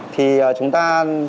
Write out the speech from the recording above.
thì chúng ta